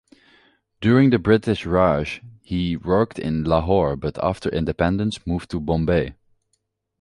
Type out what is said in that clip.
During the British Raj he worked in Lahore but after Independence moved to Bombay.